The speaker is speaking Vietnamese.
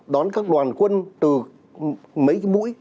đón các đoàn quân từ mấy cái mũi